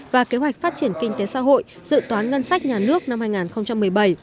và kế hoạch phát triển kinh tế xã hội dự toán ngân sách nhà nước năm hai nghìn một mươi bảy